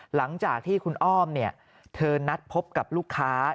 หลังจากที่คุณอ้อมเธอนัดพบกับลูกค้า